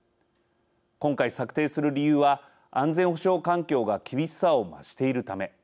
今回策定する理由は安全保障環境が厳しさを増しているため。